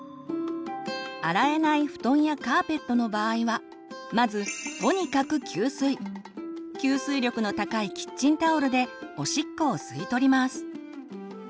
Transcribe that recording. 洗えない布団やカーペットの場合はまず吸水力の高いキッチンタオルでおしっこを吸い取ります。